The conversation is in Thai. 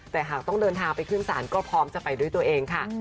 แต่หากต้องเดินทางไปขึ้นศาลก็พร้อมจะไปด้วยตัวเองค่ะ